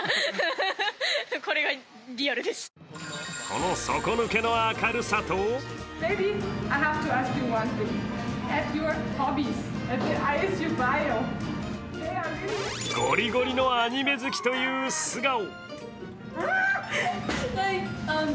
この底抜けの明るさとゴリゴリのアニメ好きという素顔。